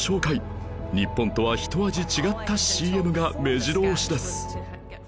日本とはひと味違った ＣＭ がめじろ押しです